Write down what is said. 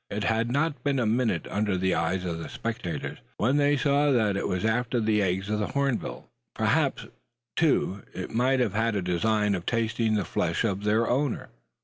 It had not been a minute under the eyes of the spectators, when they saw that it was after the eggs of the hornbill; perhaps, too, it might have had a design of tasting the flesh of their owner.